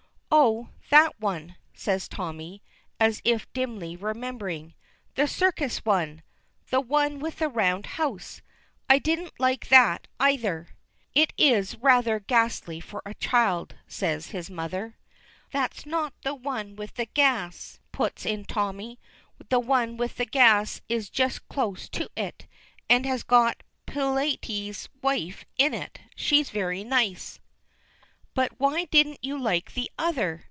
"Oh, that one!" says Tommy, as if dimly remembering, "the circus one! The one with the round house. I didn't like that either." "It is rather ghastly for a child," says his mother. "That's not the one with the gas," puts in Tommy. "The one with the gas is just close to it, and has got Pilate's wife in it. She's very nice." "But why didn't you like the other?"